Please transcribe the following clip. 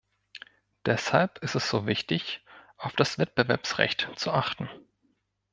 Deshalb ist es so wichtig, auf das Wettbewerbsrecht zu achten.